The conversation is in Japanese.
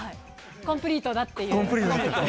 コンプリートだっていう。